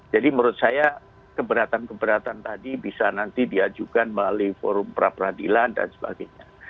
jadi menurut saya keberatan keberatan tadi bisa nanti diajukan melalui forum pra peradilan dan sebagainya